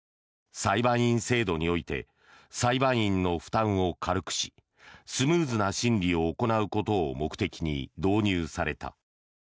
裁判員制度において裁判員の負担を軽くしスムーズな審理を行うことを目的に導入された。